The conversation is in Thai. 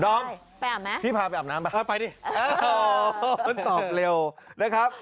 ดองพี่พาไปอาบน้ำป่ะไปดิอ๋อตอบเร็วนะครับ